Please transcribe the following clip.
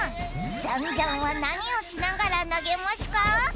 ジャンジャンはなにをしながらなげましゅか？